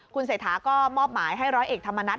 คุณเศรษฐาก็มอบหมายให้ร้อยเอกธรรมนัฐ